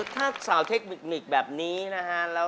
ถ้าสาวเทคนิคแบบนี้นะฮะ